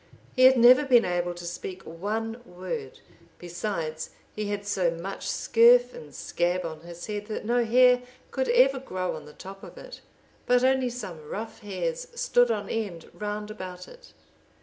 He had never been able to speak one word; besides, he had so much scurf and scab on his head, that no hair could ever grow on the top of it, but only some rough hairs stood on end round about it.